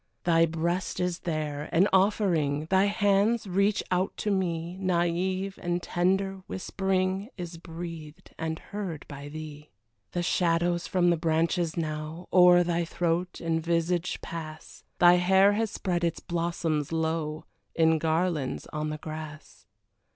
Thy breast is there, an offering, Thy hands reach out to me, Naive and tender whispering Is breathed and heard by thee. The shadows from the branches now O'er thy throat and visage pass, Thy hair has spread its blossoms low In garlands, on the grass.